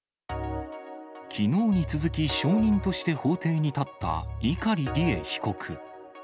きのうに続き証人として法廷に立った碇利恵被告。